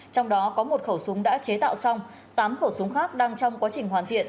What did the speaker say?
trong đó có một khẩu súng đã chế tạo xong tám khẩu súng khác đang trong quá trình hoàn thiện